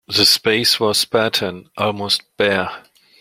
The space was spartan, almost bare.